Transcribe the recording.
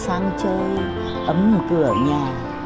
xóm sang chơi ấm cửa nhà